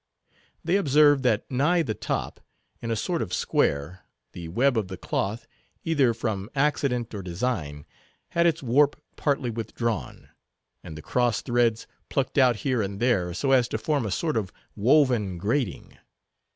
They observed that nigh the top, in a sort of square, the web of the cloth, either from accident or design, had its warp partly withdrawn, and the cross threads plucked out here and there, so as to form a sort of woven grating.